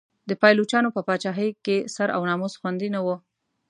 د پایلوچانو په پاچاهۍ کې سر او ناموس خوندي نه و.